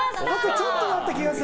あとちょっとだった気がする。